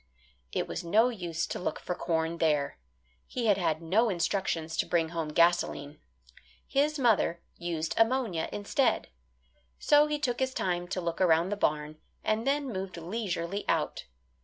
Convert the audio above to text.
It was no use to look for corn there. He had had no instructions to bring home gasoline. His mother used ammonia instead. So he took his time to look around the barn, and then moved leisurely out.